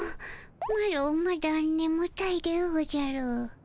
マロまだねむたいでおじゃる。